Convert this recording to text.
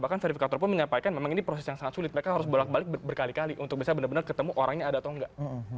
bahkan verifikator pun menyampaikan memang ini proses yang sangat sulit mereka harus bolak balik berkali kali untuk bisa benar benar ketemu orangnya ada atau enggak